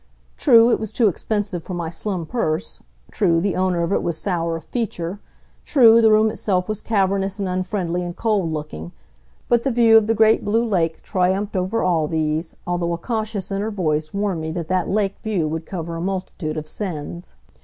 True, it was too expensive for my slim purse; true, the owner of it was sour of feature; true, the room itself was cavernous and unfriendly and cold looking, but the view of the great, blue lake triumphed over all these, although a cautious inner voice warned me that that lake view would cover a multitude of sins.